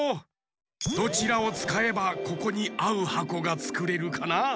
どちらをつかえばここにあうはこがつくれるかな？